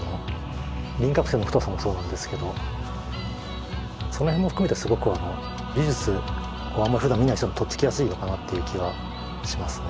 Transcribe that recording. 輪郭線の太さもそうなんですけどそのへんも含めてすごく美術をあんまふだん見ない人もとっつきやすいのかなっていう気はしますね